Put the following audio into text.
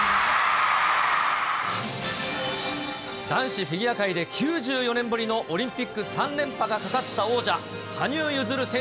男子フィギュア界で９４年ぶりのオリンピック３連覇が懸かった王まあ